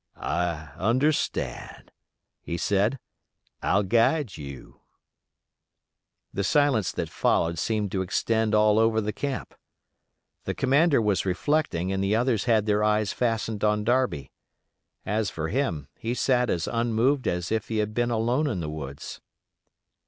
"I understand," he said. "I'll guide you." The silence that followed seemed to extend all over the camp. The commander was reflecting and the others had their eyes fastened on Darby. As for him, he sat as unmoved as if he had been alone in the woods.